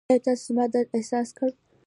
ایا تاسو زما درد احساس کړ؟